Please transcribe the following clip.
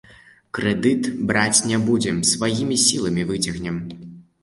Крэдыт браць не будзем, сваімі сіламі выцягнем.